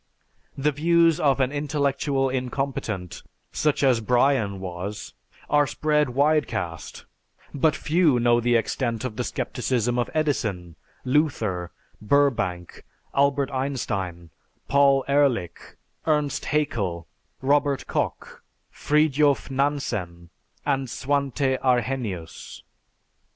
The views of an intellectual incompetent, such as Bryan was, are spread widecast, but few know the extent of the scepticism of Edison, Luther Burbank, Albert Einstein, Paul Ehrlich, Ernst Haeckel, Robert Koch, Fridjof Nansen, and Swante Arrhenius.